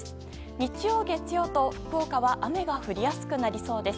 日曜、月曜と、福岡は雨が降りやすくなりそうです。